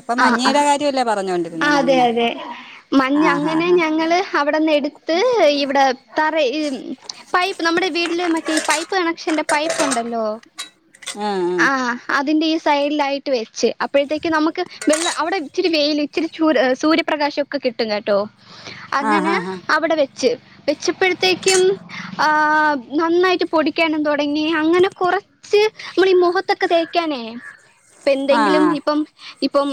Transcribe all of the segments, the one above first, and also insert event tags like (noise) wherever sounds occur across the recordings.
അപ്പൊ ആ ആ മഞ്ഞയുടെ കാര്യമല്ലേ പറഞ്ഞോണ്ടിരുന്നേ അതെ മഞ്ഞ അതെ മഞ് ആ ഹാ അങ്ങനെ ഹാ ഞങ്ങള് അവിടെന്ന് എടുത്ത് ഇവിടെ തറ പൈപ്പ് നമ്മുടെ വീട്ടില് മറ്റേ പൈപ്പ് കണക്ഷന്റെ പൈപ്പുണ്ടല്ലോ ഉം, ഉം. ആ അതിന്റെ സൈഡിൽ ആയിട്ട് വെച്ച് അപ്പോഴത്തേക്ക് നമുക്ക് വെള്ള അവിടെ ഇച്ചിരി വെയില് ഇച്ചിരി ചൂ സൂര്യപ്രകാശം ഒക്കെ കിട്ടും കേട്ടോ ആ അങ്ങനെ ഹാ ഹാ അവിടെ വെ (unintelligible) വെച്ചപ്പോഴത്തേക്കും ആ നന്നായിട്ട് പൊടിക്കണം തോ തുടങ്ങി അങ്ങനെ കുറച്ച് നമ്മുടെ ഈ മുഖത്തൊക്കെ തേക്കാനേ ഇപ്പൊ ആ എന്തെങ്കിലും ആ ഇപ്പം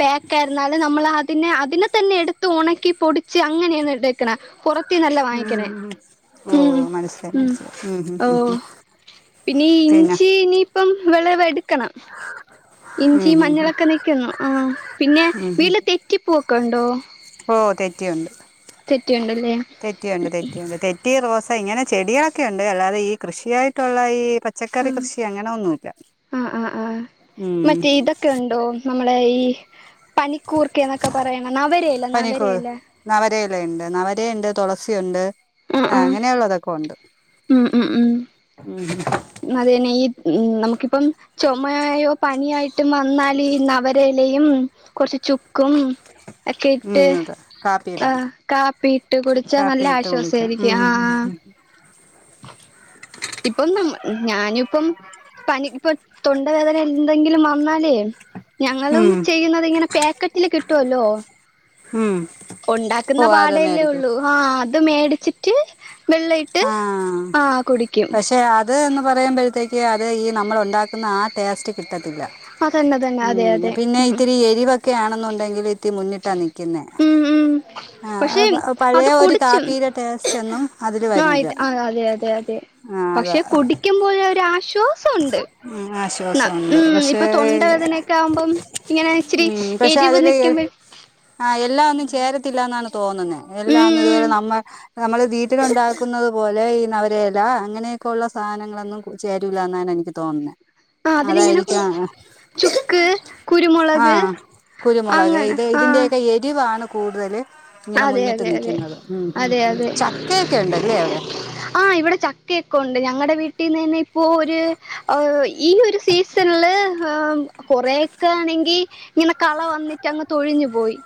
പക്ക് ആയിരുന്നാല് നമ്മള (unintelligible) പിന്നെ അതിനെ തന്നെ എടുത്ത് ഉണക്കി പൊടിച്ച് അങ്ങനെയൊന്ന് പുറത്തി നല്ല വാങ്ങിക്കണേ ഓ ഉ മനസ്സിലായി ഉ മനസ്സിലായി ഉം, ഉം, ഓ ഉം, ഉം. പിന്നെ ഇഞ്ചി ഇനിയിപ്പം വിളവ് എടുക്കണം ഉം, ഇഞ്ചി ഉം, ഉം. മഞ്ഞളൊക്കെ നിക്കുന്നു ആ പിന്നെ വീട്ടില് തെറ്റിപ്പുവോക്കെ ഉണ്ടോ ഓ തെറ്റിയുണ്ട് തെറ്റിയുണ്ടല്ലേ തെറ്റിയുണ്ട് തെറ്റിയുണ്ട് തെറ്റി ഇങ്ങനെ ചെടികളൊക്കെ ഉണ്ട് അല്ലാതെ ഈ കൃഷിയായിട്ടുള്ള ആ പച്ചക്കറി കൃഷി അങ്ങനെ ഒന്നുമല്ല ആ ആ ആ മറ്റേ ഇതൊക്കെ ഉണ്ടോ നമ്മടെ ഈ പനിക്കൂർക്ക എന്നൊക്കെ പറയണെ നവരയില്ലേ നവരയില ണ്ട് നവരെയുണ്ട് തുളസിയുണ്ട് ആ അങ്ങനെയുള്ളതൊക്കെ ഉണ്ട് ഉം ഉം ഉം ഉം നമുക്കിപ്പം ചുമയായോ പനിയായിട്ടും വന്നാല് നവരലയും കുറച്ച് ചുക്കും ഒക്കെ ഉം, ഇട്ട് അതെ കാ കാപ്പിയിടാം കാപ്പിട്ട് കുടിച്ചാ കാപ്പി നല്ല ഇട്ട് ആശ്വാസം കുടിക്കാം ഉം ഉം ഉം ഇപ്പം നമ്മ ഞാന്പ്പം പനി ഇപ്പൊ തൊണ്ടവേദന എന്തെങ്കിലും വന്നാലേ ഞങ്ങളും ഉം ചെയ്യുന്നത് ഇങ്ങനെ പ്യാക്കറ്റില് കിട്ടുവല്ലോ ഉം ഉണ്ടാക്കുന്ന ഓ പാടല്ലേ അതന്നെയായിരിക്കും ഉള്ളൂ ഹാ ത് അത് മേടിച്ചിട്ട് വെള്ള ഇട്ട് ആഹ് ആ കുടിക്കും പക്ഷെ അത് ന്ന് പറയുമ്പോഴത്തേക്ക് അത് ഈ നമ്മൾ ഉണ്ടാക്കുന്ന ആ ടേസ്റ്റ് കിട്ട് ട്ടത്തില്ല അതന്നെ തന്നെ അതെ മ് അതെ പിന്നെ ഉം ഇത്തിരി എരിവൊക്കെ ആണെന്നുണ്ടെങ്കില് ഇത്തി മുന്നിട്ടാ നിക്കുന്നേ ഉം ഉം ആ പക്ഷെ അപ്പ അത് പഴയ ഒരു കുടിച്ചും കാപ്പീടെ ടേസ്റ്റ് ഒന്നും അതില് ആ വരൂല ആ അതെ അതെ അതെ ആഹ് അതാ പക്ഷെ കുടിക്കുമ്പോരു ഒരാശ്വാ ശ്വാസമുണ്ട് ആശ്വാസമുണ്ട് ഉം ഇപ്പൊ പക്ഷേ തൊണ്ടവേദനയക്കെ ആവുമ്പം ഇങ്ങനെ ഇച്ചിരി ഉം പക്ഷെ എരിവ് അതില് നിൽക്കുമ്പേ ല്ലാണാണ് തോന്നുന്നത് എല്ലാന്ന് ഇതുപോലെ നമ്മ നമ്മള് വീട്ടിലുണ്ടാക്കുന്നത് പോലെ ഈ നവരേല അങ്ങനെയൊക്കെ ഉള്ള സാധനങ്ങളൊന്നും ചേരു ല്ലന്നാണ് എനിക്ക് തോന്നുന്നെ ആ അതിലിങ്ങനെ ചുക്ക് ആ കുരുമുളക് കുരുമുളക് അങ്ങനെ ഇത് ആഹ് ഇതിന്റെയൊക്കെ എരിവാണ് കൂടുതല് ഇങ്ങനെ അതെ മുന്നിട്ട് അതെ അതെ നിക്കുന്നത് ഉം ഉം അതെ ഉം അതെ ചക്കയൊക്കെ ഉണ്ടല്ലേ അവിടെ ആ ഇവിടെ ചക്കയൊക്കെ ഉണ്ട് ഞങ്ങളടെ വീട്ടില് ട്ടന്നെ ഇപ്പോ ഒരു ഈ ഒരു സീസണില് കൊറെയൊക്കെ ആണെങ്കി ഇങ്ങനെ കള വന്നിട്ട് അങ്ങ് തൊഴിഞ്ഞു പോയി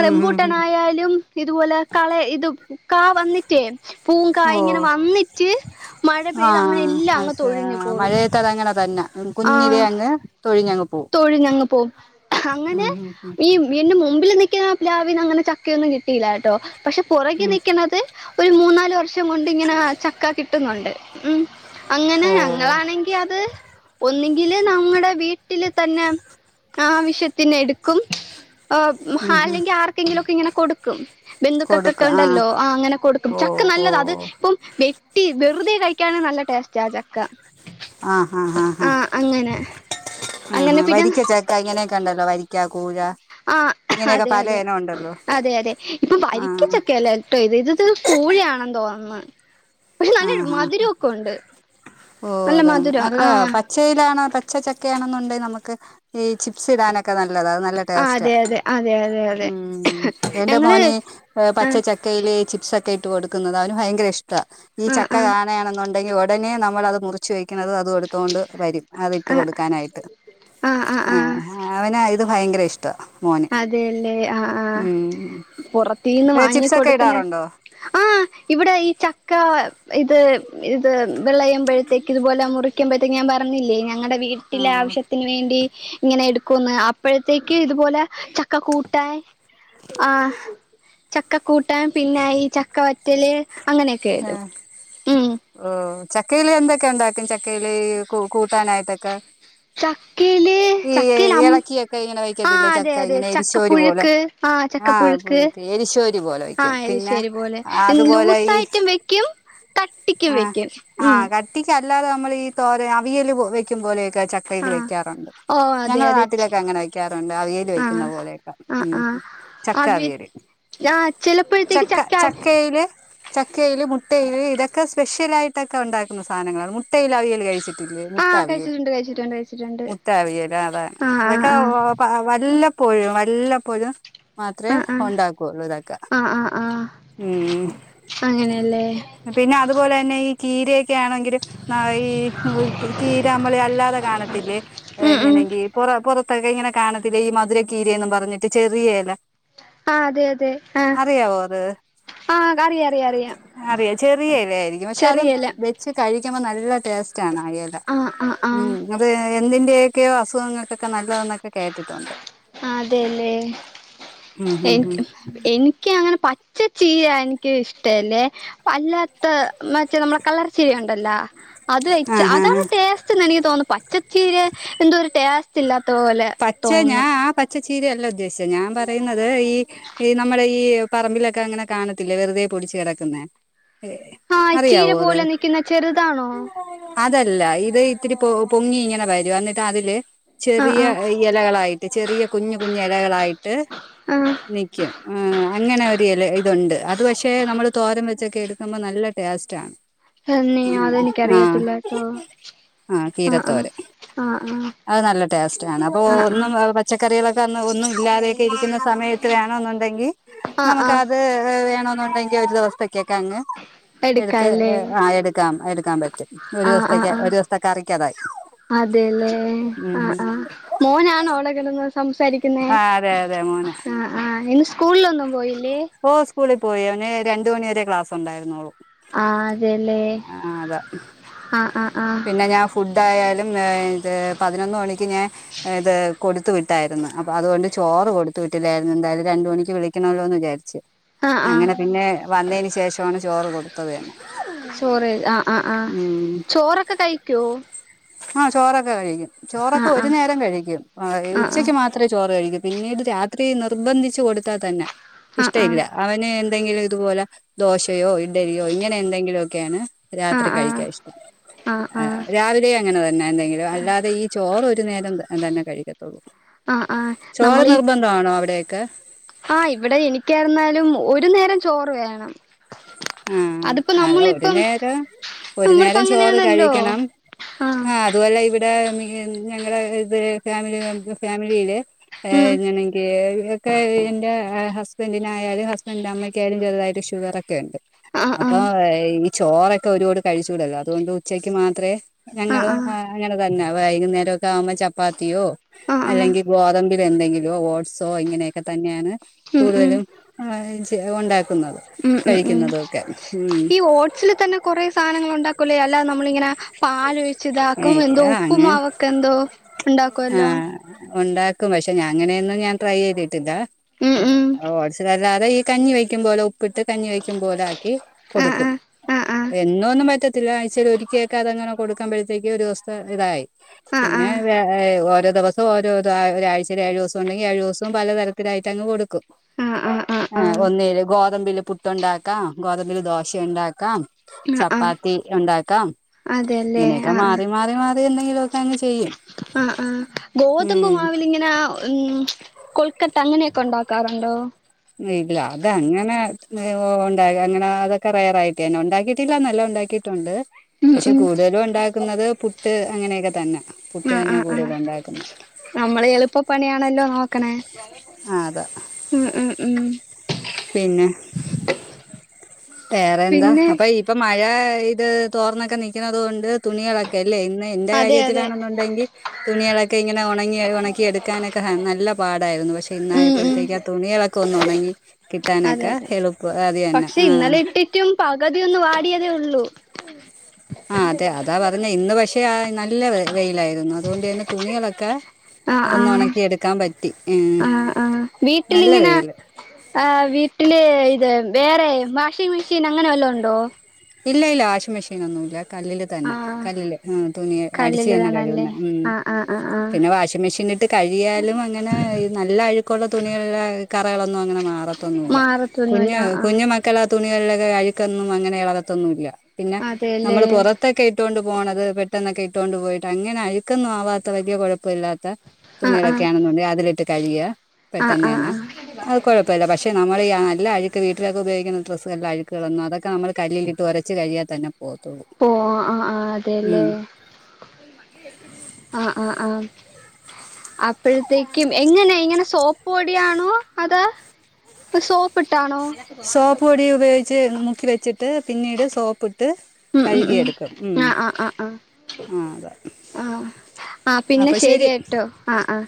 ഉം ഉം ഉം റെമ്പൂട്ടനായാലും ഇതുപോലെ കള ഇത്പു കാ വന്നിട്ടേ ഓ പൂംകായും ഇങ്ങനെ വന്നിട്ട് മഴ ആ പെയ്ത് അങ്ങനെ എല്ലാം അങ്ങ് തൊഴിഞ്ഞു പോയി വന്ന ഉം ആ കുഞ്ഞിതേ അങ് തൊഴിഞ്ഞങ്ങ് പോകും അങ്ങനെ ഉം ഉം ഈ വീടിന്റെ മുമ്പിൽ നിക്കുന്ന പ്ലാവിന്ന് അങ്ങനെ ചക്കയൊന്നും കിട്ടിയിലാട്ടോ പക്ഷെ പുറകെ ഉം ഉം നക്കണുന്നത് ഒരു മൂന്ന നാല് വർഷം കൊണ്ട് ഇങ്ങനെ ചക്ക കിട്ടുന്നുണ്ട് ഉം അങ്ങനെ ഓ ഞങ്ങളാണെങ്കിൽ അത് ഒന്നങ്കില് നമ്മുടെ വീട്ട തന്നെ ആവശ്യത്തിന് എടുക്കും ആ ഉം ഉം അല്ലെങ്കി ആർക്കെങ്കിലൊക്കെ ഇങ്ങനെ കൊടുക്കും കൊടുക്കും ബന്ധുക്കൊക്ക ആഹ് ഉണ്ടല്ലോ ആ അങ്ങനെ കൊടുക്കും ഓ ചക്ക ഓ നല്ലത അത് ഇപ്പം വെറുതെ കഴിക്കാന് നല്ല ടേസ്റ്റ ചക്ക ആഹ ഹഹ് ആ ആഹ് അങ്ങനെ ഹഹ ഉ അങ്ങനെ പിന്നെ വരിക്ക ചക്ക ഇങ്ങനൊക്ക ഉണ്ടല്ലോ വരിക്ക കൂഴ ആ ഇങ്ങനെയൊക്കെ അതെ പല അതെ ഇനം ഉണ്ടല്ലോ അതെ അതെ ഇപ്പൊ ആഹ് വരിക്കച്ചൊക്കെല്ലോ ഏട്ടോ ഇത് ഇത്ത് കൂഴിയണെന്ന് തോന്നുന്നു പക്ഷെ നല്ല ആഹ് ആഹ് മധുരൊക്കെ ഉണ്ട് ഓ നല്ല അതാണ് മധുരം അല്ല ആഹ് പച്ചയിലാണോ പച്ചച്ചക്കയാണെന്നുണ്ടെ നമുക്ക് ഈ ചിപ്സ് ഇടാനൊക്കെ നല്ല നല്ലത അത് നല്ല ആഹ് ടേസ്റ്റ. അതെ അതെ അതെ അതെ അതെ ഉം എന്റെ ഞങ്ങള് മോന് പച്ച ആഹ് ചക്കയില് ചിപ്സക്ക ക്കെട്ട് കൊടുക്കുന്നത് അവന് ഭയങ്കര ഇഷ്ടമ ഈ ആഹ് ചക്ക ആഹ് കാണയാണെന്നുണ്ട് തുടങ്ങി ഒടനെ നമ്മളത് മുറിച്ച് വയ്ക്കും അതു എടുത്തോണ്ട് വരും അത്ട്ട ആഹ് കൊടുക്കാനായിട്ട് ആഹ് ആഹ് ആഹ് അത് ഭയങ്കര ഇഷ്ട അതെല്ലേ ആ ആ പുറത്തീന്ന് ചിപ്സൊക്കെ വാങ്ങിക്കൊട്ക്കലാണ്. ഇടാറുണ്ടോ ആഹ് ഇവിടെ ഈ ചക്ക ഇത് ഇത് വെളയുമ്പോഴത്തേക്ക് ഇതുപോലെ മുറിക്കുമ്പോഴത്തേക്ക് ഞാൻ പറഞ്ഞില്ലേ ഞങ്ങടെ വീട്ടിലെ ആഹ് ആവശ്യത്തിന് വേണ്ടി ഇങ്ങനെ എടുക്കുംന്ന് അപ്പോഴത്തേക്ക് ഇതുപോലെ ചക്ക കൂട്ടാൻ ആ ചക്ക കൂട്ടാൻ പിന്നെ ഈ ചക്കവ റ്റല് ആഹ ഓ ചക്കയിൽ എന്തൊക്കെ ഉണ്ടാക്കും ചക്കയില് കു കൂട്ടാനായിട്ടൊക്കെ ചക്കയില് ഈ ചക്കയിൽ അം എളക്കിയൊക്കെ ഇങ്ങനെ ആ വയ്ക്കത്തില്ലേ അതെ ചക്ക അതെ ഇങ്ങനെ എരിശോരി പോലെ ചക്കപ്പുഴുക്ക് ആ ചക്കപ്പുഴുക്ക് പുഴുക്ക് എരിശോരി പോലെ ആ വെക്കും പിന്നെ അതുപോലെ ഈ ക്കും കട്ടിക്കും ആഹ് വെക്കും ഉം ആഹ് കട്ടിക്ക് അല്ലാതെ നമ്മൾ ഈ തോര അവിയൽ വെക്കും പോലൊക്കെ ക്കെ ചക്കക്കെ ആ വെക്കാറുണ്ട് ഓ അതെ ഞങ്ങള അതെ നാട്ടിലൊക്കെ അങ്ങനെ വെക്കാറുണ്ട് അവിയൽ വെക്കുന്ന ആഹ് പോലെയൊക്കെ ആഹ് ഉം ആഹ് ചക്ക അത് അവിയൽ ആഹ് ചിലപ്പോഴത്തേക്ക് ചക്ക ചക്കയില് ച വിയൽ മു മുട്ടയിൽ ഇതൊക്കെ സ്പെഷ്യൾ ആയിട്ടൊക്കെ ഉണ്ടാക്കുന്ന സാധനങ്ങള മു മുട്ടേൽ അവിയൽ കഴിച്ചിട്ടില്ലേ ആഹ് മുട്ട്ടാവിയൽ കഴിച്ചിട്ടുണ്ട് കഴിച്ചിട്ടുണ്ട് കഴിച്ചിട്ടുണ്ട് മുട്ടാവിയൽ ആഹ് അതാ ആഹ് അതൊക്കെ ആഹ് വല്ലപ്പോഴും വല്ലപ്പോഴും മാത്രേ ആഹ് ആഹ് ഉണ്ടാക്കു ഇതൊക്കെ ആഹ് ആഹ് ആഹ് ആഹ് ഉം അങ്ങനെയല്ലേ പിന്നെ അതുപോലെ തന്നെ ഈ കീരെ ക്കെ ആണെങ്കി ഈ കീരാ നമ്മളി അല്ലാതെ കാണത്തില്ലേ ഏഹ് ഉം ഉം ഇങ്ങനെ ഈ പുറ പുറ തൊക്കെ ഇങ്ങനെ കാണത്തില്ലേ ഈ മധുരക്കീരയെന്നും പറഞ്ഞിട്ട് ചെറിയയില ആഹ് അതെ അതെ ആഹ് അത് ആഹ് അറിയറിയറിയ അറിയാം ചെറിയ ഇല ആയിരിക്കും പക്ഷെ അത് വെച്ച് കഴിക്കുമ്പോ ന ല്ല ടേസ് സ്റ്റണ് ആ ഇല ആഹ് ആഹ് ഉം ആഹ് അത് എന്തിന്റെയൊക്കെയോ അസു സുഖങ്ങൾക്കൊക്കെ നല്ലതന്നൊക്കെ കേട്ടിട്ടുണ്ട് അതെല്ലേ ഉം ഉം ഉം എനിക്ക് എനിക്ക് അങ്ങനെ പച്ച ചീര എനിക്ക് ഇഷ്ടല്ലേ അല്ലാ ത്തെ മറ്റേ നമ്മളുടെ കളർച്ചീര ഉണ്ടല്ലോ അത് വെച്ച് ആഹ് ആഹ് അതാണ് ആഹ് ടേസ്റ്റേന്ന് എനിക്ക് തോന്നുന്നു പച്ചച്ചീര എന്തോ ഒരു ടേസ് റ്റില്ല പച്ച ഞാന് ആ പച്ച ചിരയല്ല ഉദ്ദേശിച്ച ഞാൻ പറയുന്നത് ഈ ഈ നമ്മുടെ ഈ പറമ്പിലൊക്കെ അങ്ങനെ കാണത്തില്ലേ വെറുതെ പൊടിച്ചു കിടക്കുന്ന ആഹ് ചീര പോലെ നിക്കുന്ന ചെറുതാണോ അതല്ല ഇത് ഇത്തിരി പൊ പൊങ്ങി ഇങ്ങനെ വരും എന്നിട്ട് അതില് ആ ചെറിയ ആ ഇലകളായിട്ട് ചെറിയ കുഞ്ഞ് കുഞ്ഞ് ഇലകളായിട്ട് ആ നിക്കും അങ്ങനെ ഒരു ഇല ഇതുണ്ട് അത് പക്ഷെ നമ്മൾ തോരൻ വെച്ചൊക്കെ എടുക്കുമ്പോൾ നല്ല ടേസ്റ്റ് ആണ് തന്നെ ആ അതെനിക്കറിയത്തില്ല ട്ടോ ആ ആഹ് ആഹ് കീരത്തോരൻ ആഹ് ആഹ് അപ്പോ ഒന്നും പച്ചക്ക കറികളക്കാ അന്ന് ഒന്നും ഇല്ലാതെ ഇരിക്കുന്ന സമയത്ത് വേണെന്നുണ്ടെങ്കിൽ ആ ആ ആ നമുക്കത് വേണോ ണ്ടെങ്കിൽ ഒരു ദിവസ ൊക്കെ അങ്ങ് എടുത്ത് എടുക്കാല്ലേ എടുക്കാം എടുക്കാൻ പറ്റും ഒരു ആ ആ ദിവസത്തേക്ക ആ ഒരു ദിവസത്തൊക്കെ അറിക്കതായി ഉ മോനാാണ് അവിടെ കിളുന്നത് സംസാരിക്കുന്നേ അതെ അതെ ആഹ് ആഹ് (unintelligible) സ്കൂളിലൊന്നും പോയി ഓഹ് സ്കൂളിൽ പോയി ന്നെ രണ്ടു മണിവരെ ക്ലാസ് ഉണ്ടായിരുന്നൊളൂ. ആഹ്അ തെലെ ആഹ് ആഹ് ആഹ് പിന്നെ ഞാൻ ഫുഡായാലും ഏഹ് ഇത് പതിനൊന്ന് മണി ക്ക്നേ ഏഹ് ഇത് കൊടുത്തു വിട്ടായിരുന്ന്. അപ്പൊ അതുകൊണ്ട് ചോറ് കൊടുത്ത് വിട്ടില്ലായിരുന്നു എന്തായാലും രണ്ടു മണിക്ക് വിളിക്കണല്ലോ ന്ന് വിചാരിച്ച്. ആഹ് ആഹ് അങ്ങനെ പിന്നെ വന്നയ്ന് ശേഷമാണ് ചോറ് കൊടുത്തത് തന്നെ. ഉം ക്കെ കഴിക്കുവോ? ആഹ് ചോറ ക്കെ കഴിക്കും. ചോറൊക്കെ ഒരു നേരം കഴിക്കും ഏഹ് ആഹ് ഉച്ചക്ക് മാത്രമേ ചോറ് കഴിക്കൂ പിന്നീട് രാ ത്രി നിർബന്ധിച്ചു കൊടുത്താ തന്നെ. ആഹ് ഇഷ്ട ഇല്ല അവന് എന്തെങ്കിലു ഇതുപോലെ ദോശ് യോ ഇടരിയോ ഇങ്ങനെ എന്തെങ്കിലൊ ഒക്കെയാണ് ആഹ് ആഹ് രാത്രി കഴിക്ക ആഹ് അശ് ആഹ് രാവിലെ അങ്ങനെ തന്നെ എന്തെങ്കിലും അല്ലാതെ ഈ ചോറ് ഒരു നേരം തന്നെ കഴിക്കും ആഹ് ആഹ് ചോര നമ്മളീ നിർബന്ധവാണോ അവിടെ ക്കെ ആഹ് ഇവിടെ എനിക്കായിരുന്നാലും ഒരു നേരം ചോറ് വേണം അതിപ്പോ ആഹ് അല്ല ഒരു നമ്മളിപ്പം നേരം ഒരു നമ്മളിപ്പോ നേരം ചോറ് അങ്ങനെയാണല്ലോ കഴിക്കണം ആഹ് അതവല്ല ഇവി (unintelligible) ഞങ്ങളെ ഇത് ഫാമിലി ഫാമിലിയില് എ ഉം എങ്ങനെങ്ക ഒക്കെ എന്റെ ഹസ് ഹസ്ബൻറിനായാലും ഹസ്ബന്റിന്റെ അമ്മക്കായലും ചെറ്തായിട്ട് ഷുഗറൊക്കെ ഇണ്ട് ആഹ് അപ്പൊ ആഹ് ഈ ചോറ ക്കൊരോട് കഴിച്ചൂടല്ലോ അതുകൊണ്ട് ഉച്ചയ്ക്ക് മാത്രേ ഞങ്ങളും ആഹ് തന്ന വൈകുന്നേരൊക്കെ ആവുമ്പ ചപ്പാത്തിയോ ആഹ് ആഹ് അല്ലെങ്കി ഗോതമ്പില് എന്തെങ്കിലോ ഓട്സോ ഇങ്ങനെയൊക്കെ തന്നെയാണ് ഉം ഉം കൂടുതലും ങ് ചെ ഉണ്ട ക്കുന്നത് ഉം ഉം ഉം കഴിക്കുന്നത് ഈ ഓട്സില് തന്നെ കൊറെ സാനങ്ങൾ ഒണ്ടാക്കു അല്ല നമ്മളിങ്ങനെ പാല് ഒഴിച്ച ഇതാക്കും. ഇക്ക എന്തോ അങ്ങനെ ഉപ്പുംമാവക്ക എന്തോ ഉണ്ടാക്കുവല്ലോ? ഒണ്ടാക്കും പക്ഷെ ഞാ അങ്ങനെയൊന്നും ഞാൻ ട്രൈ ചെയ്തിട്ടില്ല. ഉം ഉം ഓട്സിലല്ലാതെ ഈ കഞ്ഞി വെക്കുമ്പോലോ ഉ പ്പിട്ട് കഞ്ഞി വെക്കും പോലെ ആക്കി കൊടുക്കും. ആഹ് ആഹ് ആഹ് എന്നോ ഒന്നും പറ്റ ത്തിഴ്ച്ചേൽ ഒരിക്കെക്ക അങ്ങനെ കൊടുക്കുമ്പോഴത്തേക്ക് ഒരു ഇതായി ആഹ് പിന്നെ ആഹ് ഓരോ ദിവസം ഓരോ ഇതാ ഒരാഴ്ചയി ഏഴു ദിവസം ഉണ്ടെങ്കി ഏഴു ദിവസവും പലതരത്തിലായിട്ടങ്ങ് കൊട്ക്കും. ആഹ് ഒന്നെല് ഗോദമ്പില് പു ഇട്ട ഒണ്ടാക്കാം ഗോതമ്പിൽ ദോശണ്ടാക്കാം. ആഹ് ആഹ് ചപ്പാത്തി ഒണ്ടാക്കാം. അതെല്ലേ ഇങ്ങനെയൊക്കെ മാറി മാറി മാ ന്തെകിലുക്കെ അങ് ആ ആ ഗോതമ്പ് മാവിലിങ്ങനെ ഉം കൊ പക്കത്തെങ്ങനെയൊക്കെ ഉണ്ടാക്കാറുണ്ടോ? ഇല്ല അത് അങ്ങനെ ഒണ്ട അങ്ങന അതൊക്കെ റയറായിട്ട്ന്നെ ഒണ്ടാക്കിട്ടില്ലന്നല്ല ഒണ്ടാക്കിട്ടൊണ്ട്. ഉം പക്ഷെ ഉം കൂടുതലും ഒണ്ടാക്കുന്നത് പുട്ട് അങ്ങനെയൊക്കെ തന്ന. ആഹ് ആഹ് ആഹ് നമ്മള് എളുപ്പപ്പണിയാണല്ലോ നോക്കണേ. ആ അതാ ഉം ഉം ഉം. പിന്നെ വേറെ എന്താ പിന്നെ അപ്പൊ ഇപ്പൊ മഴ ഇത് തോർന്നക്ക നിക്കണത് കൊണ്ട് തുണിളക്കെ അല്ലെ ഇന്ന് എന്റെ അതെ അതെ കാര്യത്തിലാണെന്നുണ്ടെങ്കി തുണിളക്കെ ഇങ്ങനെ ഒണങ്ങി ഒണക്കി എടുക്കാനൊക്കെ നല്ല പാടാരുന്നു. പക്ഷെ ഉം ഉം ഇന്നായപ്പഴ്ത്തേക്ക തുണിള ഒന്നൊണങ്ങി കിട്ടാനക്ക അതെ ഹെളുപ്പ് അതിയന്ന ആഹ്. റ്റും പകുതിയൊന്ന് വാടിയതേ ഒള്ളൂ. ആഹ് അതെ അതാ പറഞ്ഞേ ഇന്ന് പക്ഷെ നല്ല വെയിലായിരുന്നു അതുകൊണ്ട് തന്നെ തുണികളൊക്കെ ആഹ് ഒന്ന് ആഹ് ഉണക്കി എടുക്കാൻ പറ്റി ഉം. ആഹ് ആഹ് നല്ല വീട്ടിലിങ്ങനെ വെയിൽ ആഹ് വീട്ടില് ഇത് വേറെ വാഷിംഗ് മെഷീൻ അങ്ങനെ വല്ലോം ഉണ്ടോ ഇല്ല ഇല്ല വാഷിംഗ് മെഷീൻ ഒന്നും ഇല്ല കല്ലില് തന്നെ ആഹ് കല്ലിൽ തുണി അടിച്ചു തന്നെ കല്ലിലിടണല്ലേ കഴുകുന്ന ഉം ആഹ് ആഹ് ആഹ് ആഹ് പിന്നെ വാഷിംങ്ങ് മെഷീനി ഇട്ട് കഴുകിയാലും അങ്ങനെ ഈ നല്ല അഴുക്കുള്ള തുണികള്ള കറ ഒന്നും അങ്ങനെ മാറത്തോന്നുല്ല മാറത്തൊന്നുല്ല കുഞ്ഞു ആഹ് കുഞ്ഞുമക്കള് ആ തുണി (unintelligible) അഴുക്കൊന്നും അങ്ങനെയുള്ള ഇള ത്തൊന്നുല്ല പിന്നെ അതെല്ലേ നമ്മള് പുറത്തൊക്കെ ഇട്ടോണ്ട് പോണത് പെ പെട്ടന്നൊക്കെ ഇട്ടൊണ്ട് പോയിട്ട് അങ്ങനെ അഴുക്കൊന്നും ആവാത്ത വലിയ കൊഴ പ്പല്ലാത്ത ആഹ് ആഹ് തുണികളൊക്കെ ആണെന്നുണ്ടേ അതിലിട്ട് കഴുകിയ ആഹ് പെട്ടെന്ന് ആഹ് തന്നെ ആഹ് അത് കൊഴപ്പമില്ല പക്ഷെ നമ്മൾ നല്ല ആ വീട്ടിലൊക്കെ ഉയോഗിക്കുന്ന ഡ്രസ്സെല്ലാം അഴുക്കുകളൊന്നും അതൊക്കെ നമ്മള് കല്ലിൽ ട്ട് ഉരച്ച് കഴിയാൽ തന്നെ ഓഹ് ആഹ് ആഹ് ആഹ് അതെല്ലേ ഉം ആഹ് ആഹ് ആഹ് അപ്പഴ്ത്തേക്കും എങ്ങനെ ഇങ്ങനെ സോപ്പ് പൊടിയാണോ അതാ സോപ്പ സോപ്പ് പൊടി ഉപയോഗിച്ച് മുക്കി വെച്ചിട്ട് പിന്നീട് സോപ്പ് ഇട്ട ഉം ഉം ഉം ആഹ് ആഹ് ആഹ് ആ അതാ ആഹ് ആഹ് ആഹ് പിന്നെ അപ്പൊ ശരി ശരിയാട്ടോ ആഹ് ആഹ്